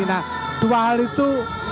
nah dua hal itu